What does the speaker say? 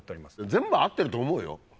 全部合ってると思うよ。